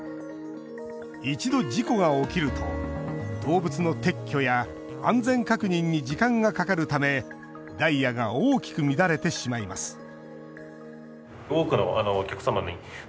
一度、事故が起きると動物の撤去や安全確認に時間がかかるためダイヤが大きく乱れてしまいます